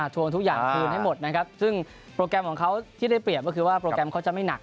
ทวงทุกอย่างคืนให้หมดนะครับซึ่งโปรแกรมของเขาที่ได้เปรียบก็คือว่าโปรแกรมเขาจะไม่หนัก